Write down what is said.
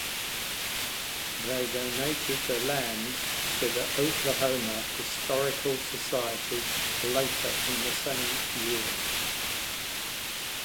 They donated the land to the Oklahoma Historical Society later in the same year.